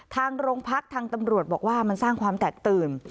ทางโรงพักทางตำรวจบอกว่ามันสร้างความแตกตื่น